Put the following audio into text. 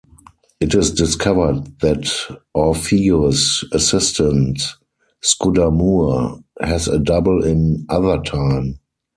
It is discovered that Orfieu's assistant, Scudamour, has a double in Othertime.